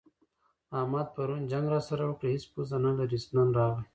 احمد پرون جنګ راسره وکړ؛ هيڅ پزه نه لري - نن راغی.